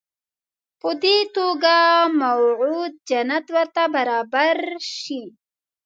په دې توګه موعود جنت ورته برابر شي.